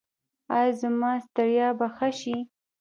ایا زما ستړیا به ښه شي؟